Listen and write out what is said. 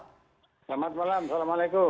selamat malam assalamualaikum